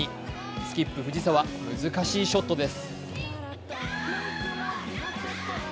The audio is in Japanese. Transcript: スキップ・藤澤、難しいショットです。